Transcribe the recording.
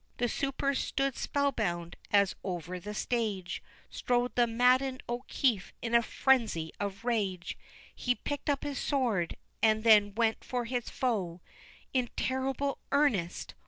The supers stood spellbound, as over the stage Strode the maddened O'Keefe; in a frenzy of rage He picked up his sword, and then went for his foe In terrible earnest.